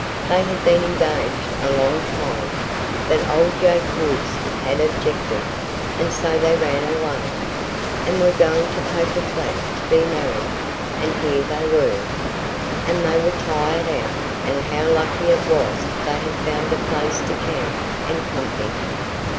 They had been engaged a long time, but old Jake Woods had objected, and so they had run away, and were going to Poker Flat to be married, and here they were. And they were tired out, and how lucky it was they had found a place to camp and company.